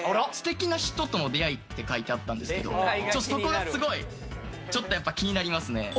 素敵な人との出会いって書いてあったんですけどちょっとそこがすごいやっぱ気になりますね